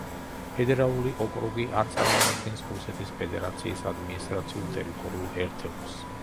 ფედერალური ოკრუგი არ წარმოადგენს რუსეთის ფედერაციის ადმინისტრაციულ-ტერიტორიულ ერთეულს.